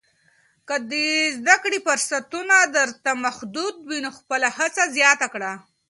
که د زده کړې فرصتونه درته محدود وي، نو خپله هڅه زیاته کړه.